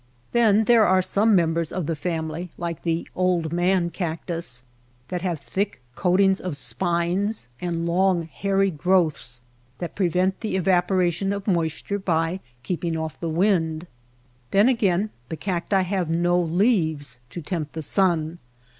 Then there are some members of the family like the ^^ old man " cactus, that have thick coatings of spines and long hairy growths that prevent the evaporation of moisture by keeping off the wind. Then again the cacti have no leaves to tempt the sun.